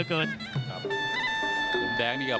นักมวยจอมคำหวังเว่เลยนะครับ